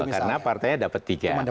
karena partai dapat tiga